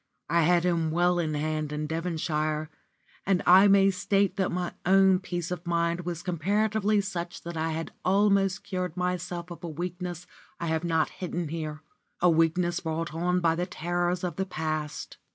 I had him well in hand in Devonshire, and I may state that my own peace of mind was comparatively such that I had almost cured myself of a weakness I have not hidden here a weakness brought on by the terrors of the past.